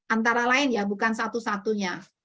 antara lain ya bukan satu satunya